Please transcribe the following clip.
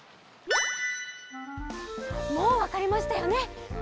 もうわかりましたよね？